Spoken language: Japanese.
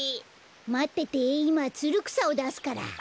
まってていまつるくさをだすから。